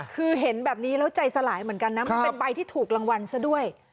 คือเห็นแบบนี้แล้วใจสลายเหมือนกันนะมันเป็นใบที่ถูกรางวัลซะด้วย